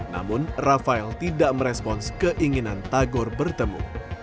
namun rafael tidak merespons keinginan tagor bertemu